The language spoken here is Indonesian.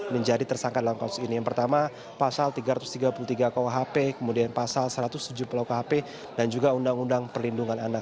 yang pertama pasal tiga ratus tiga puluh tiga kuhp kemudian pasal satu ratus tujuh puluh kuhp dan juga undang undang perlindungan anak